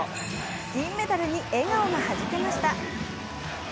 銀メダルに笑顔がはじけました。